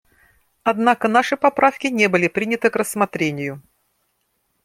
Однако наши поправки не были приняты к рассмотрению.